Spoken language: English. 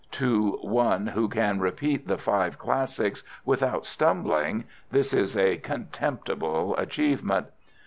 To one who can repeat the Five Classics without stumbling this is a contemptible achievement.